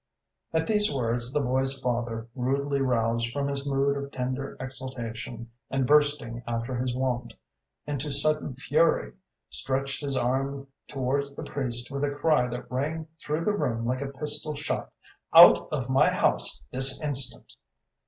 At these words, the boy's father, rudely roused from his mood of tender exaltation, and bursting, after his wont, into sudden fury, stretched his arm towards the priest, with a cry that rang through the room like a pistol shot: "Out of my house this instant!"